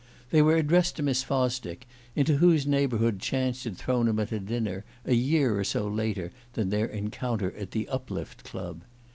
They were addressed to Miss Fosdick, into whose neighbourhood chance had thrown him at a dinner, a year or so later than their encounter at the Uplift Club.